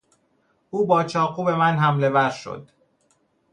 او با چاقو به من حملهور شد.